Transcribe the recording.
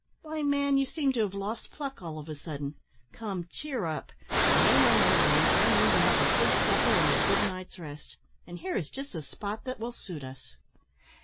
"Why, man, you seem to have lost pluck all of a sudden; come, cheer up; rain or no rain, I mean to have a good supper, and a good night's rest; and here is just the spot that will suit us."